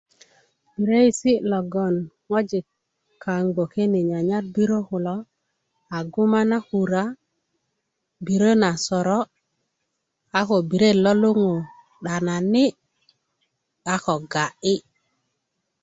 'bireesi logoloŋ ŋojik kaŋ gboke ni nyanyar 'birä kulo a guma na kura 'birä na soró a ko 'birayit lo luŋú 'danani a ko ga'yi